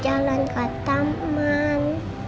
jalan jalan ke taman